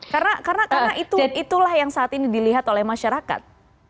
karena itulah yang saat ini dilihat oleh masyarakat